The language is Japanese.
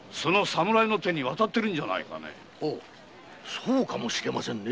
そうかもしれませんね。